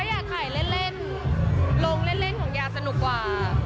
อยากถ่ายเล่นลงเล่นของยาสนุกกว่า